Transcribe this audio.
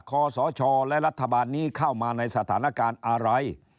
คอสชและรัฐบาลนี้เข้ามาในสถานการณ์อะไร